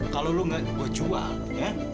kalau lu enggak gue jual ya